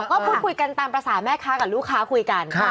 ก็พูดคุยกันตามภาษาแม่ค้ากับลูกค้าคุยกัน